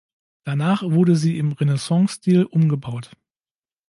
Danach wurde sie im Renaissancestil umgebaut.